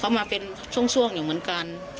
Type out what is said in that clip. เขามาเป็นช่วงอยู่เหมือนกัน